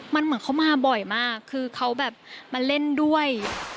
มันเหมือนเขามาบ่อยมากคือเขาแบบมาเล่นด้วย